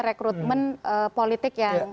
rekrutmen politik yang